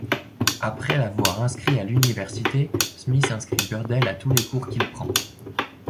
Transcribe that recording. Après l'avoir inscrit à l'université, Smith inscrit Burdell à tous les cours qu'il prend.